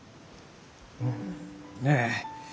うんええ。